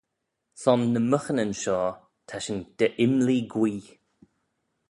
Son ny myghinyn shoh ta shin dy imlee gwee.